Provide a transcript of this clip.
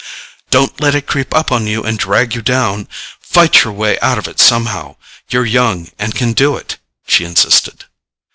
"Don't let it creep up on you and drag you down. Fight your way out of it somehow—you're young and can do it," she insisted.